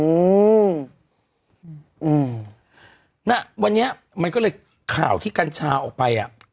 อืมอืมน่ะวันนี้มันก็เลยข่าวที่กัญชาออกไปอ่ะ